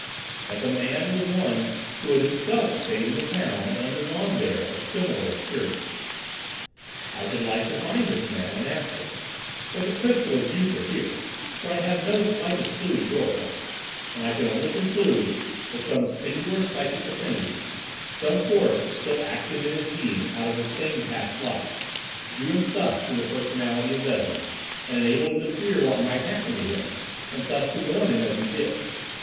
"That the man was one who had himself stayed in the town and undergone there a similar experience. I should like to find this man and ask him. But the crystal is useless here, for I have no slightest clue to go upon, and I can only conclude that some singular psychic affinity, some force still active in his being out of the same past life, drew him thus to the personality of Vezin, and enabled him to fear what might happen to him, and thus to warn him as he did.